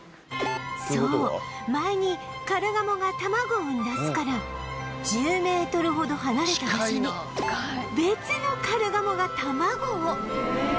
そう前にカルガモが卵を産んだ巣から１０メートルほど離れた場所に別のカルガモが卵を